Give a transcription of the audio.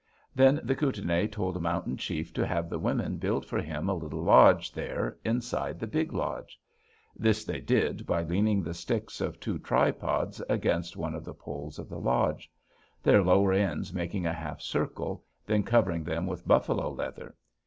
"Then the Kootenai told Mountain Chief to have the women build for him a little lodge there inside the big lodge. This they did by leaning the sticks of two tripods against one of the poles of the lodge, their lower ends making a half circle, and then covering them with buffalo leather.